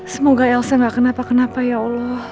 semoga elsa gak kenapa kenapa ya allah